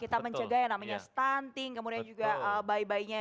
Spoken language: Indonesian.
kita menjaga ya namanya stunting kemudian juga bayi bayinya